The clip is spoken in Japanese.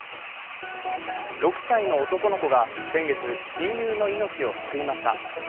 ６歳の男の子が先月、親友の命を救いました。